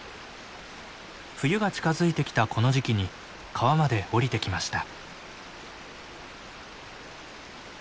冬が近づいてきたこの時期に川まで下りてきました。